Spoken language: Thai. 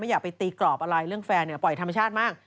อยากไปตีกรอบอะไรเรื่องแฟนปล่อยธรรมชาติมาก